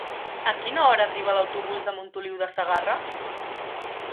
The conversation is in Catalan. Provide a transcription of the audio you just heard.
A quina hora arriba l'autobús de Montoliu de Segarra?